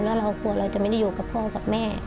แล้วเรากลัวเราจะไม่ได้อยู่กับพ่อกับแม่